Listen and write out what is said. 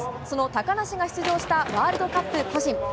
その高梨が出場したワールドカップ個人。